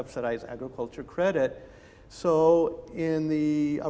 kredit agro kultur yang disubsidisikan